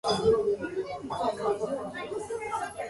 There it formed a perimeter defence in and around the town of Meriller.